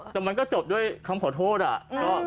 แต่มันก็จบด้วยคำขอโทษอะ